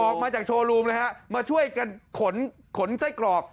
ออกมาจากโชว์รูมเลยฮะมาช่วยกันขนขนไส้กรอก